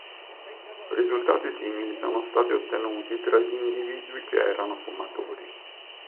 Risultati simili sono stati ottenuti tra gli individui che erano fumatori.